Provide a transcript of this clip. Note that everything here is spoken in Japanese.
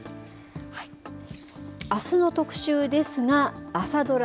あすの特集ですが、朝ドラ、